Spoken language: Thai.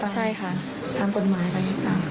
ใช่ค่ะตามกฎหมายไป